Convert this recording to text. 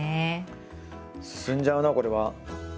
進んじゃうなこれは。